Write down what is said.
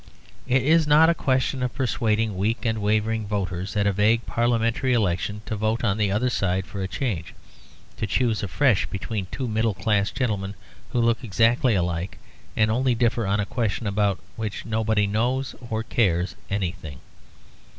It is not a question of persuading weak and wavering voters, at a vague parliamentary election, to vote on the other side for a change, to choose afresh between two middle class gentlemen, who look exactly alike and only differ on a question about which nobody knows or cares anything.